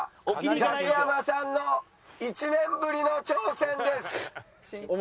ザキヤマさんの１年ぶりの挑戦です。